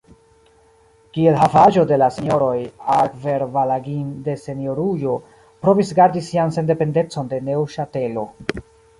Kiel havaĵo de la Senjoroj Aarberg-Valangin la Senjorujo provis gardi sian sendependecon de Neŭŝatelo.